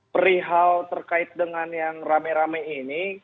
perihal terkait dengan yang rame rame ini